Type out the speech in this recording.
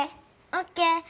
オッケー。